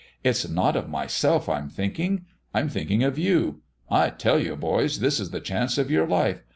"It's not of myself I'm thinking. I'm thinking of you. I tell you, boys, this is the chance of your life.